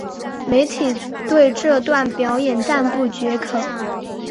媒体对这段表演赞不绝口。